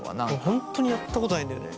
本当にやったことないんだよね。